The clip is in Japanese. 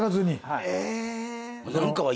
はい。